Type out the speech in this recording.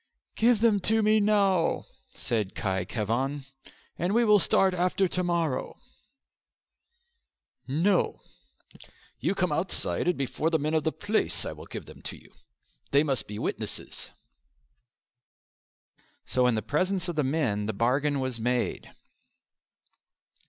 "Give them to me now," said Khy Khevan, "and we will start after to morrow." "No," replied Forder, "you come outside, and before the men of the place I will give them to you; they must be witnesses." So in the presence of the men the bargain was made.